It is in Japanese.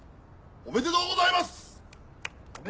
おめでとうございます！